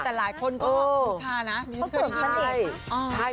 แต่หลายคนก็บอกว่ามูชานะ